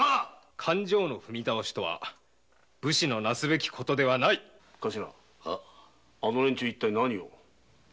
⁉勘定の踏み倒しとは武士のなすべき事ではないあの連中は何を？